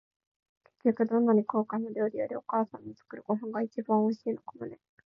結局、どんなに高価な料理より、お母さんの作るご飯が一番おいしいのかもね。